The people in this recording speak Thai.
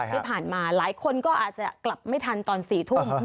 ที่ผ่านมาหลายคนก็อาจจะกลับไม่ทันตอน๔ทุ่ม